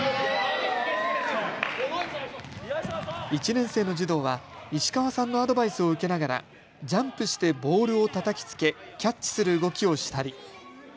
１年生の児童は石川さんのアドバイスを受けながらジャンプしてボールをたたきつけキャッチする動きをしたり。